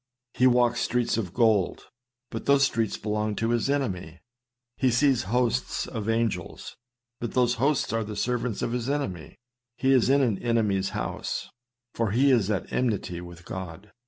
He walks streets of gold, but those streets belong to his enemy. He sees hosts of angels ; but those hosts are the servants of his enemy. He is in an enemy's house : for he is at enmity with God.